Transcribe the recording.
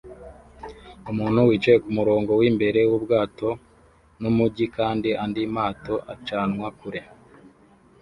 Umuntu yicaye kumurongo wimbere wubwato numujyi kandi andi mato acanwa kure